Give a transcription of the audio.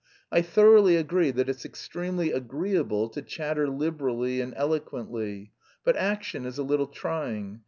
I thoroughly agree that it's extremely agreeable to chatter liberally and eloquently, but action is a little trying....